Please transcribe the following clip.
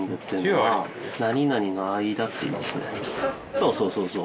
そうそうそうそう。